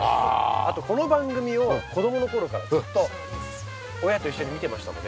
あとこの番組を子供の頃からずっと親と一緒に見てましたので。